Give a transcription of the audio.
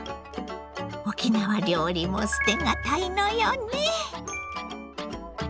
沖縄料理も捨てがたいのよね。